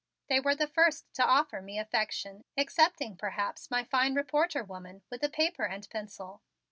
They were the first to offer me affection, excepting perhaps my fine reporter woman with the paper and pencil.